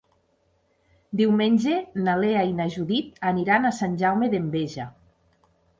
Diumenge na Lea i na Judit aniran a Sant Jaume d'Enveja.